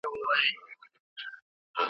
د کیږدۍ ښکلي دربدري ګرځي